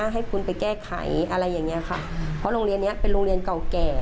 ให้คุณไปแก้ไขอะไรอย่างเงี้ยค่ะเพราะโรงเรียนนี้เป็นโรงเรียนเก่าแก่